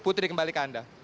putri kembali ke anda